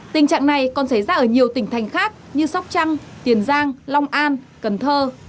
tình trạng này còn xảy ra ở nhiều tỉnh thành khác như sóc trăng tiền giang long an cần thơ